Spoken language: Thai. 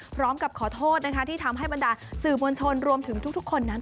บอกเขาสัญญาให้แม่ก็ป้องกัน